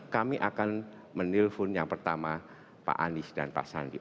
kami akan menelpon yang pertama pak anies dan pak sandi